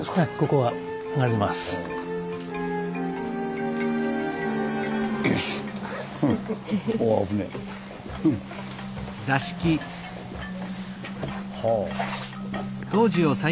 はあ。